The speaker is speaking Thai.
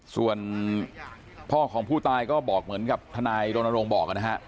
ส่วนพ่อของผู้ตายก็บอกเหมือนกับทนายรณรงค์บอกนะฮะ